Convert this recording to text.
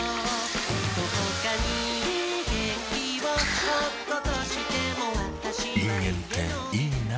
どこかに元気をおっことしてもあぁ人間っていいナ。